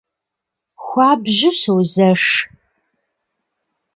Хуабжьу созэш…